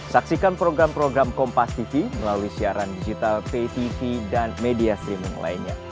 saksikan program program kompastv melalui siaran digital ptv dan media streaming lainnya